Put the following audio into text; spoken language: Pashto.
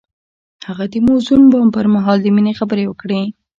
هغه د موزون بام پر مهال د مینې خبرې وکړې.